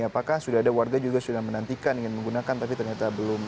apakah sudah ada warga juga sudah menantikan ingin menggunakan tapi ternyata belum